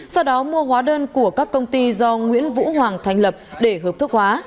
sau đó mua hóa đơn của các công ty do nguyễn vũ hoàng thành lập để hợp thức hóa